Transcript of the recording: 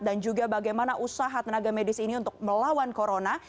dan juga bagaimana usaha tenaga medis ini untuk melawan corona